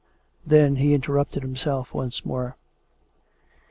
Then he interrupted himself once more.